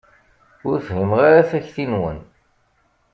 Ur fhimeɣ ara takti-nwen.